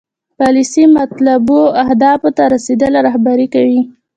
پالیسي مطلوبو اهدافو ته رسیدل رهبري کوي.